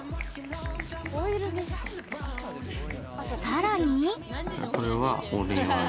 さらに？